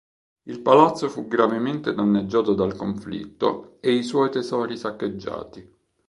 Il palazzo fu gravemente danneggiato dal conflitto e i suoi tesori saccheggiati.